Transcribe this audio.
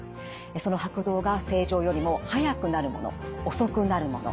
その拍動が正常よりも速くなるもの遅くなるもの